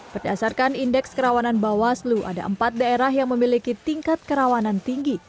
berdasarkan indeks kerawanan bawaslu ada empat daerah yang memiliki tingkat kerawanan tinggi